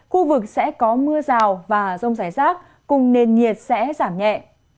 khu vực sẽ có mưa rào và rông rải rác cùng nền nhiệt sẽ giảm nhẹ